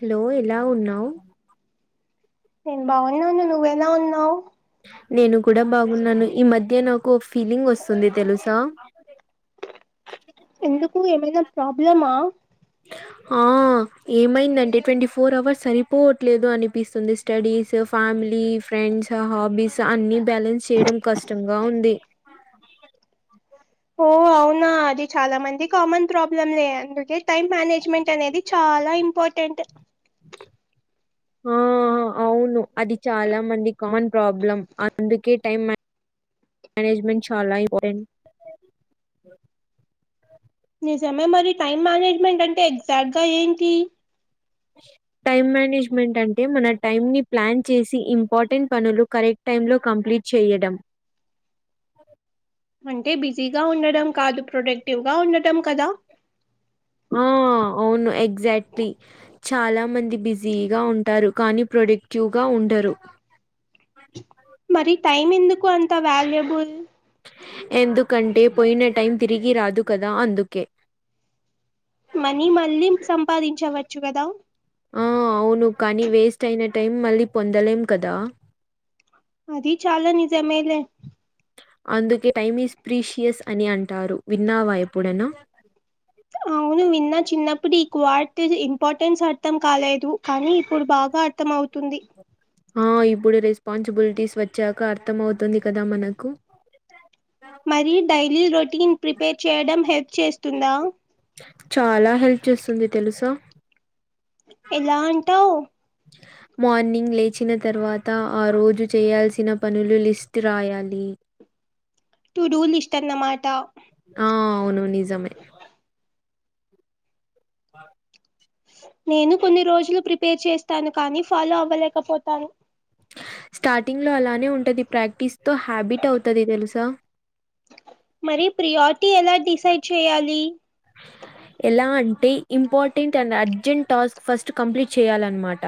Hello ఎలా ఉన్నావ్ నేన్ బాగానే ఉన్నా నువ్వెలా ఉన్నావ్. నేను కూడా బాగున్నాను. ఈ మధ్య నాకు ఓ ఫీలింగ్ వస్సుంది తెలుసా? ఎందుకు ఏమైనా ప్రాబ్లమా ఆ ఏమైందంటే ట్వంటీ ఫోర్ అవర్స్ సరిపోవట్లేదు అనిపిస్సుంది. స్టడీసు, ఫ్యామిలీ ఫ్రెండ్స్ హ బీస్ అన్ని బ్యాలెన్స్ చేయడం కష్టంగా ఉంది ఓ అవునా అది చాలా మంది కామన్ ప్రాబ్లమ్లే అందుకే టైం మ్యానే. జ్మెంట్ అనేది చాలా ఇంపార్టెంట్ ఆ అవును అది చాలా మంది కమన్ ప్రాబ్లం అందుకే టైం మ్యా. మ్యనేజమెట్ చాలా ఇంపార్టెంట్. నిజమే మరి టైం మేనేజ్మెంట్ అంటే ఎగ్జాక్ట్ గా ఏంటి టైమ్ మేనేజ్మెంట్ అంటే? మన టైమ్ ని ప్లాన్ చేసి ఇంపార్టెంట్ పనులు కరె. ఇట్ టైమ్ లో కంప్లీట్ చేయడం అంటే బిజీగా ఉండడం కాదు ప్రొడక్టివ్గా ఉండటం కదా ఆ అవును ఎగ్జాక్ట్లీ చాలా మంది బిజీగా ఉంటారు కానీ ప్రొడక్టివ్ గా ఉ ఉండరు మరి టైం ఎందుకు అంత వాల్యుబుల్ ఎందుకంటే పోయిన టైం తిరిగి రాదు కదా అందుకే మనీ మళ్ళీ సంపాదించవచ్చు కదా ఆ అవును కానీ వేస్ట్ అయిన టైం మళ్ళీ పొందలేం కదా అది చాలా నిజ మేలే అందుకే టైమ్ ఈస్ ప్రీషియస్ అని అంటారు విన్నావా ఎప్పుడ అయినా అవును విన్నా చిన్న అప్పుడు ఈక్వార్ట్ ఇంపార్టెన్స్ అర్థం కాలేదు కానీ ఇప్పుడు బాగా గా అర్థం అవుతుంది ఆ ఇప్పుడు రెస్పాన్సిబిలిటీస్ వచ్చాక అర్థం అవుతుంది కదా మనకు మరి డైలీ రొటీన్ ప్రిపేర్ చేయడం హెల్త్ చాలా హెల్ప్ చేస్తుంది తెలుసా ఎలా అంటావు మార్నింగ్ లేచిన తర్వాత ఆ రోజు చేయాల్సిన పనులు లిస్ట్ రాయాలి టూ డూ లిస్ట్ అన్నమాట ఆ అవును నిజమే [inaudible] నేను కొన్ని రోజులు ప్రిపేర్ చేస్తాను కానీ ఫాలో అవ్వలేకపోతాను స్టార్టింగ్ లో అలానే ఉంటంది ప్రాక్టీస్ తో హ్యాబిట్ అవుతది తెలుసా మరి ప్రియారిటీ ఎలా డిసైడ్ చేయాలి ఎలా అంటే ఇంపార్టెంట్ తన అర్జెంట్ టాస్క్ ఫస్ట్ కంప్లీట్ చేయాలన్నమాట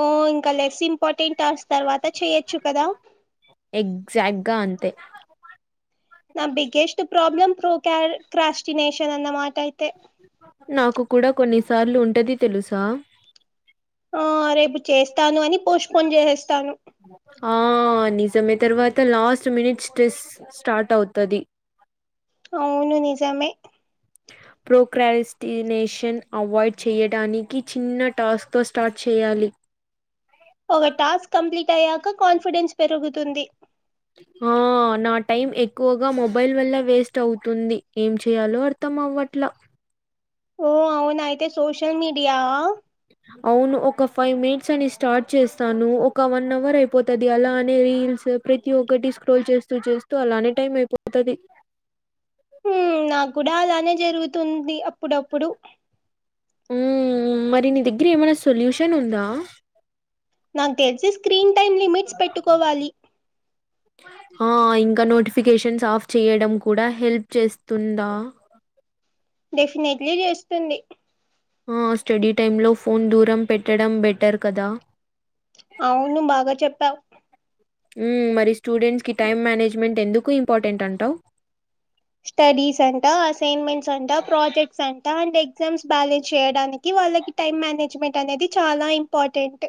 ఓ ఇంకా లెస్ ఇంపార్టెంట్ ఆస్ తర్వాత చెయొచ్చు కదా ఎగ్జాక్ట్గా అంతే నా బిగ్గెస్ట్ ప్రాబ్లెమ్ ప్రో క క్రాస్టిినేషన్ అన్న మాట అయితే నాకు కూడా కొన్నిసార్లు ఉంటది తెలుసా ఆ రేపు చేస్తాను అని పోస్ట్పోష్ చేసేస్తాను ఆ నిజమే తర్వాత లాస్ట్ మినిట్ స్ట్రెస్ స్టార్ట్ అవుత అది అవును నిజమే ప్రోక్రార్టినేషన్ అవాయిడ్ చేయడానికి చిన్న టాస్క్ తో స్టార్ట్ చే యాలి ఒక టాస్క్ కంప్లీట్ అయ్యాక కాన్ఫిడెన్స్ పెరుగుతుంది ఆ నాట్ టైం ఎక్కువగా మొబైల్ వల్ల వేస్ట్ అవుతుంది ఏం చేయాలో అర్థం అవ్వట్లా ఓ అవునా అయితే సోషల్ మీడియా అవును ఒక ఫైవ్ మినిట్స్ అని స్టార్ట్ చేస్తాను ఒక వన్ అవర్ అయిపోతది అలా అనే రీల్స్ ప్రతి ఒక్కటి స్క్రోల్ చేస్తూ చేస్తూ అలానే టైం అయిపోతది మ్ నాకు కూడా అలానే జరుగుతుంది అప్పుడుఅప్పుడు ఉ మరి నీ దగ్గర ఏమైనా సొల్యూషన్ ఉందా నాకు తెలిసి స్క్రీన్ టైమ్ లిమిట్స్ పెట్టుకోవాలి ఆ ఇంకా నోటిఫికేషన్స్ ఆఫ్ చేయడం కూడా హెల్ప్ చేస్తుందా డెఫినెట్లీ చేస్తుంది ఓ స్టడీ టైమ్ లో ఫోన్ దూరం పెట్టడం బెటర్ కదా అవును బాగా చెప్పావు ఉమ్ మరి స్టూడెంట్స్ కి టైం మేనేజ్మెంట్ ఎందుకు ఇంపార్టెంట్ అంటావు స్టడీస్ అంట అసైన్మెంట్స్ అంట ప్రాజెక్ట్స్ అంట అండ్ ఎగ్జామ్స్ బ్యాలెన్స్ చేయడానికి వాళ్ళకి టైం మేనేజ్మెంట్ అనేది చాలా ఇంపార్టెంట్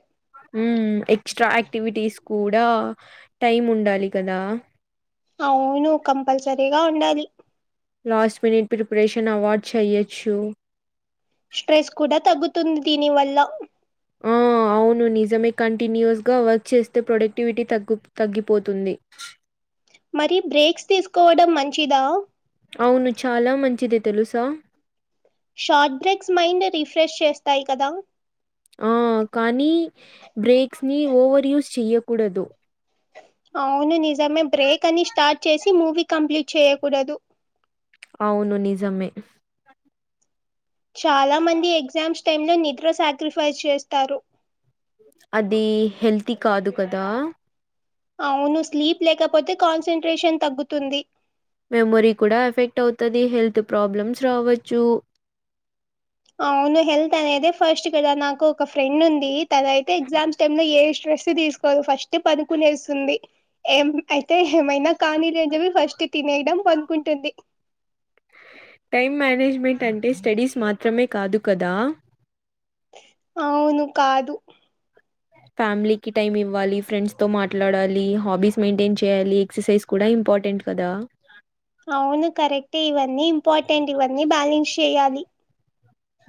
ఉమ్ ఎక్స్ట్రా యాక్టివిటీస్ కూడా టైం ఉండాలి కదా అవును కంపల్సరగా ఉండాలి లాస్ట్ మినిట్ ప్రిపరేషన్ అవాయిడ్ చెయ్యొచ్చు స్ట్రెస్ కూడా తగ్గుతుంది దీనివల్ల ఆ! అవును నిజమే కంటిన్యూస్ గా వర్క్ చేస్తే ప్రొడక్టివిటీ తగ్ తగ్గిపోతుంది మరి బ్రేక్స్ తీసుకోవడం మంచిదా అవును చాలా మంచిది తెలుసా షార్ట్ బ్రేక్స్ మైండ్ రిఫ్రెష్ చేస్తాయి కదా ఆ కానీ బ్రేక్స్ ని ఓవర్ యూస్ చెయ్యకూడదు అవును నిజమే బ్రేక్ అని స్టార్ట్ చేసి మూవీ కంప్లీట్ చేయకూడదు అవును నిజమే చాలా మంది ఎగ్జామ్స్ టైం లో నిద్ర సాక్రిఫైస్ చేస్తారు అది హెల్తీ కాదు కదా అవును స్లీప్ లేకపోతే కాన్సంట్రేషన్ తగ్గుతుంది మెమొరీ కూడా ఎఫెక్ట్ అవుతది హెల్త్ ప్రాబ్లమ్స్ రావచ్చు అవును హెల్త్ అనేది ఫస్ట్ కదా నాకు ఒక ఫ్రెండ్ ఉంది తను అయితే ఎగ్జామ్స్ టైమ్ లో ఏ స్ట్రెస్ తీసుకోదు ఫస్ట్ పనుకునేస్తుంది ఎం అయితే ఏమైనా కానీ లే అని చెప్పి ఫస్ట్ తినేయడం పనుకుంటుంది టైం మేనేజ్మెంట్ అంటే స్టడీస్ మాత్రమే కాదు కదా అవును కాదు ఫ్యామిలీకిి టైమ్ ఇవ్వాలి ఫ్రెండ్స్ తో మాట్లాడాలి హాబీస్ మెయింటైన్ చేయాలి ఎక్సర్సైజ్ కూడా ఇంపార్టెంట్ కదా అవును కరెక్టే ఇవన్నీ ఇంపార్టెంట్ ఇవన్నీ బ్యాలెన్స్ చెయాలి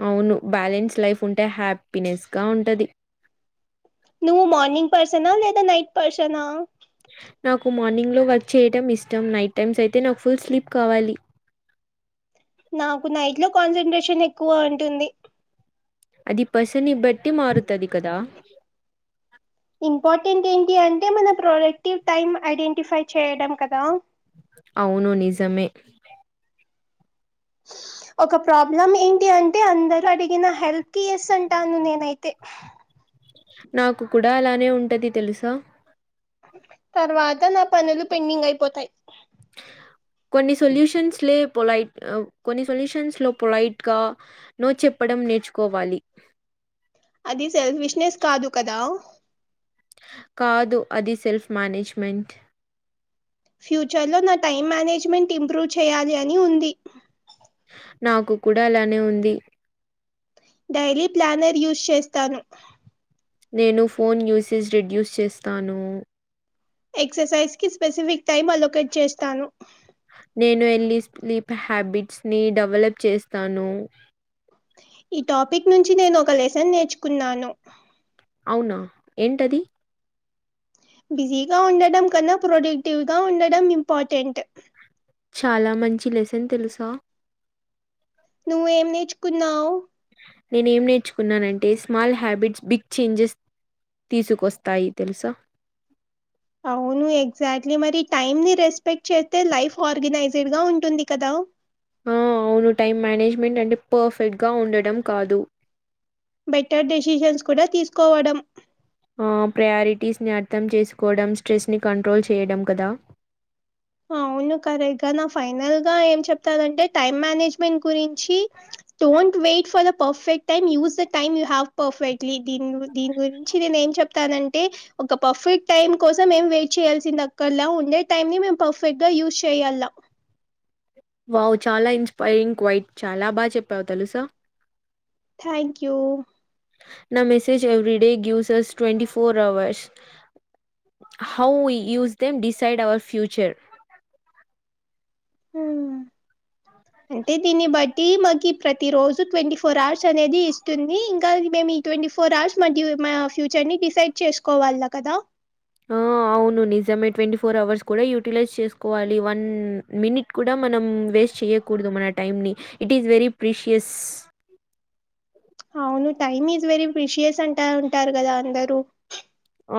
అవును బ్యాలెన్స్ లైఫ్ ఉంటే హ్యాపీనెస్ గా ఉంటది నువ్వు మార్నింగ్ పర్సన్ ఆ లేదా నైట్ పర్సన్ ఆ నాకు మార్నింగ్ లో వర్క్ చేయడం ఇష్టం నైట్ టైమ్స్ అయితే నాకు ఫుల్ స్లీప్ కావాలి నాకు నైట్ లో కాన్సాన్ ట్రేషన్ ఎక్కువ ఉంటుంది అది పర్సన్ ని బట్టి మారుతది కదా ఇంపార్టెంట్ ఏంటి అంటే మన ప్రొడక్టివ్ టైమ్ ఐడెంటిఫై చేయడం కదా అవును నిజమే ఒక ప్రాబ్లం ఏంటి అంటే అందరూ అడిగిన హెల్ప్ కి ఎస్ అంటాను నేనైతే నాకు కూడా అలానే ఉంటది తెలుసా తర్వాత నా పనులు పెండింగ్ అయిపోతాయి కొన్ని సొల్యూషన్స్ లో పొలైట్ కొన్ని సొల్యూషన్స్ లో పొలైట్ గా నో చెప్పడం నేర్చుకోవాలి అది సెల్ఫ విష్నెస్ కాదు కదా కాదు అది సెల్ఫ్ మేనేజ్మెంట్ ఫ్యూచర్ లో నా టైం మేనేజ్మెంట్ ఇంప్రూవ్ చేయాలి అని ఉంది నాకు కూడా అలానే ఉంది డైలీ ప్లానర్ యూజ్ చేస్తాను నేను ఫోన్ యూసేజ్ రెడ్యూస్ చేస్తాను ఎక్సర్సైజ్ కి స్పెసిఫిక్ టైమ్ అలొకేట్ చేస్తాను నేను వెళ్లి స్లీప్ హ్యాబిట్స్ ని డెవలప్ చేస్తాను ఈ టాపిక్ నుంచి నేను ఒక లెసన్ నేర్చుకున్నాను అవునా ఏంటది బిజీగా ఉండడం కన్నా ప్రొడక్టివ్ గా ఉండడం ఇంపార్టెంట్ చాలా మంచి లెసన్ తెలుసా నువ్వేం నేర్చుకున్నావ్ నేనేం నేర్చుకున్నానంటే స్మాల్ హ్యాబిట్స్ బిగ్ చేంజెస్ తీసుకొస్తాయి తెలుసా అవును ఎగ్జాక్ట్లీ మరి టైమ్ని రెస్పెక్ట్ చేస్తే లైఫ్ ఆర్గనైజ్డ్ గా ఉంటుంది కదా ఆ అవును టైం మేనేజ్మెంట్ అంటే పర్ఫెక్ట్గా ఉండడం కాదు బెటర్ డెసిషన్స్ కూడా తీసుకోవడం ఆ ప్రయారిటీస్ ని అర్థం చేసుకోవడం స్ట్రెస్ ని కంట్రోల్ చేయడం కదా అవును కరెక్ట్ గా నా ఫైనల్ గా ఏం చెప్తానంటే టైం మేనేజ్మెంట్ గురించి don't wait for the perfect time use the time you have perfectly దీ దీని గురించి నేను ఏం చెప్తాదంటే ఒక పర్ఫెక్ట్ టైమ్ కోసం ఏం వెయిట్ చేల్సింది అక్కరలా ఉండే టైంనే మేం పర్ఫెక్ట్గా యూస్ చేయాల వావ్ చాలా ఇన్స్పైరింగ్ క్వయిట్ చాలా బాగా చెప్పావు తెలుసా థ్యాంక్ యూ నా message every day gives us twenty four hours how we use them decide our future ఉమ్ అంటే దీన్ని బట్టి మాకి ప్రతి రోజు ట్వంటీ ఫోర్ అవర్స్ అనేది ఇస్తుంది ఇంకా మేము ఈ ట్వంటీ ఫోర్ ఆర్స్ మన ఫ్యూచర్ ని డిసైడ్ చేసుకోవాల కదా ఆ! అవును నిజమే ట్వంటీ ఫోర్ అవర్స్ కూడా యూటిలైజ్ చేసుకోవాలి వన్ మినిట్ కూడా మనం వేస్ట్ చేయకూడదు ఇట్ఇస్ వెరీ ప్రీసియస్ అవును టైమ్ ఈస్ వెరీ ప్రీషియస్ అంటా ఉంటారు కదా అందరు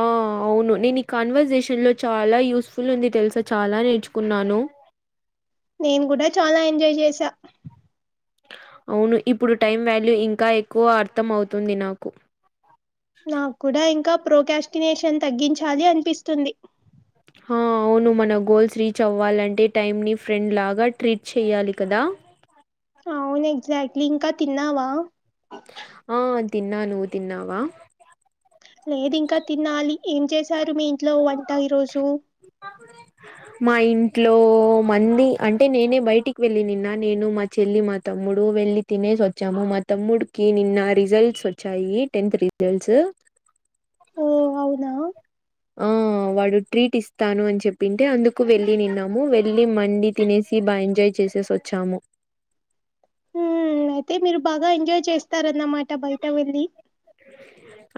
ఆ! అవును నేను ఈ కాన్వర్సేషన్ లో చాలా యూస్ఫుల్ ఉంది తెలుసా చాలా నేర్చుకున్నాను నేను కూడా చాలా ఎంజాయ్ చేసా అవును ఇప్పుడు టైం వాల్యూ ఇంకా ఎక్కువ అర్థం అవుతుంది నాకు నాకు కూడా ఇంకా ప్రోకాస్టినేేషన్ తగ్గించాలి అనిపిస్తుంది హా అవును మన గోల్స్నీ రీచ్ అవ్వాలంటే టైమ్ ని ఫ్రెండ్ లాగా ట్రీట్ చెయాలి కదా అవును ఎగ్జాక్ట్లీ ఇంకా తిన్నావా ఆ తిన్నా నువ్ తిన్నావా లేదు ఇంకా తినాలి ఏం చేశారు మీ ఇంట్లో వంట ఈరోజు మా ఇంట్లో మంది అంటే నేనే బయటికి వెళ్ళి నిన్న నేను మా చెల్లి మా తమ్ముడు వెళ్ళి తినే సి వచ్చాము మా తమ్ముడికి నిన్న రిజల్ట్స్ వచ్చాయి టెన్త్ రిజల్ట్స్ ఓ అవునా ఆ వాడు ట్రీట్ ఇస్తాను అని చెప్పింటే అందుకు వెళ్ళినిన్నాము వెళ్ళి మండి తినేసి బా ఎంజాయ్ చే చేసేసి వచ్చాము హ్మ్ అయితే మీరు బాగా ఎంజాయ్ చేస్తారన్నమాట బయట వెళ్ళి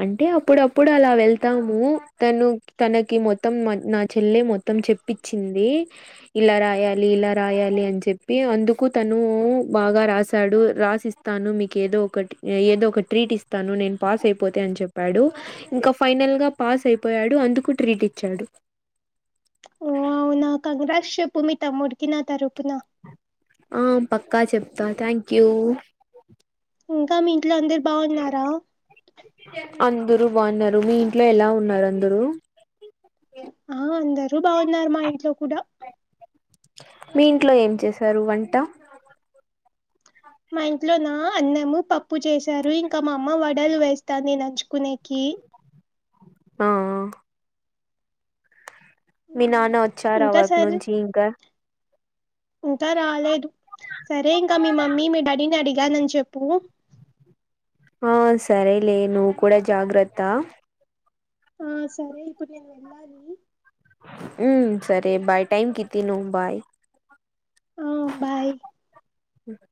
అంటే అప్పుడప్పుడు అలా వెళ్తాము తను తనకి మొత్తం నా చెల్లె మొత్తం చె చెప్పించింది ఇలా రాయాలి ఇలా రాయాలి అని చెప్పి అందుకు తను బాగా గా రాసాడు రాసిస్తాను మీకు ఏదో ఒకటి ఏదో ఒక ట్రీట్ ఇస్తాను నేన్ పాస్ అయిపోతే అని చెప్పాడు ఇంకా ఫైనల్ గా పాస్ అయిపోయాడు అందుకు ట్రీట్ ఇచ్చాడు వావ్ నా కంగ్రాట్స్ చెప్పు మీ తమ్ముడు కి నా తరఫున ఆ పక్కా చెప్తా థ్యాంక్ యూ ఇంకా మీ ఇంట్లో అందరు బాగున్నారా అందరు బాగున్నారు మీ ఇంట్లో ఎలా ఉన్నారు అందరు ఆ అందరూ బావున్నారు మా ఇంట్లో కూడా మీ ఇంట్లో ఏం చేసారు వంట మా ఇంట్లో నా అన్నము పప్పు చేసారు ఇంకా మా అమ్మ వడలు వేస్తాంది నంజుకునేకి ఈ ఆ ఆ మీ మ్మ్. నాన్న వచ్చారా ఇంకా వర్క్ సరే నుంచి ఇంకా ఇంకా రాలేదు సరే ఇంకా మీ మమ్మీ మీ డాడీని అడిగానని చెప్పు ఆ సరేలే నువ్వు కూడా జాగ్రత్త ఆ సరే ఇప్పుడు నేను వెళ్ళాలి మ్మ్ సరే బాయ్ టైం కి తిను బాయ్ ఆ బాయ్ మ్మ్